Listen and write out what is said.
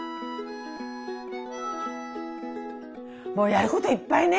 もうやることいっぱいね。